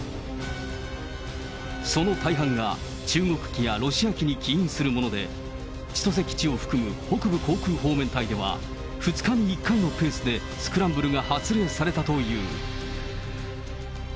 その大半が中国機やロシア機に起因するもので、千歳基地を含む北部航空方面隊では、２日に１回のペースでスクランブルが発令されたという。